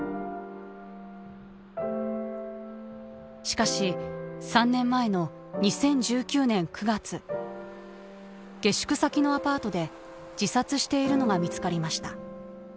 しかし３年前の２０１９年９月下宿先のアパートで自殺しているのが見つかりました。